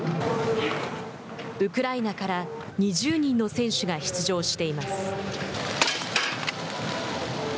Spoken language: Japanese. ウクライナから２０人の選手が出場しています。